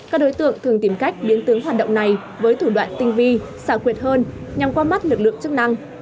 các đối tượng thường tìm cách biến tướng hoạt động này với thủ đoạn tinh vi xảo quyệt hơn nhằm qua mắt lực lượng chức năng